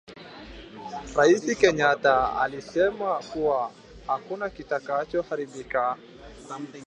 Raisi Kenyatta alisema kuwa hakuna kitakacho haribika